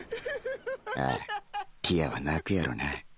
ああティアは泣くやろな